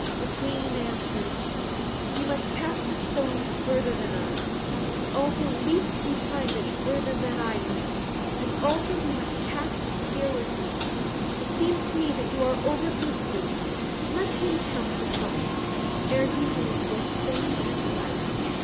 The Queen answered, "He must cast the stone further than I, and also leap behind it further than I leap; and also he must cast the spear with me. It seems to me that you are over hasty; let him count the cost, ere he lose both fame and life."